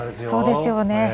そうですよね。